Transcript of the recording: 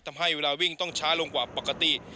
ทำให้เวลาวิ่งต้องช้าลงกว่าปกติ